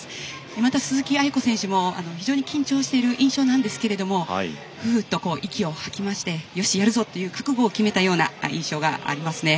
また鈴木亜由子選手も緊張している印象ですがふっと息を吐きましてよしやるぞ、という覚悟を決めた印象があります。